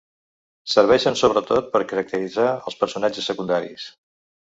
Serveixen sobretot per caracteritzar els personatges secundaris.